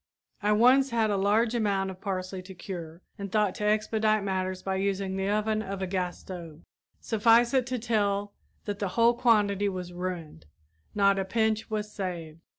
I once had a large amount of parsley to cure and thought to expedite matters by using the oven of a gas stove. Suffice it to tell that the whole quantity was ruined, not a pinch was saved.